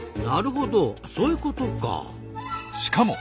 なるほどそういうことか。